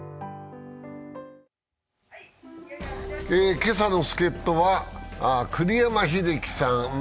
今朝の助っとは栗山英樹さん。